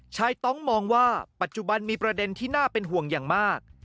ต้องมองว่าปัจจุบันมีประเด็นที่น่าเป็นห่วงอย่างมาก